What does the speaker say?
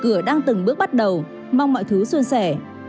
chủ tịch đang từng bước bắt đầu mong mọi thứ xuân sẻ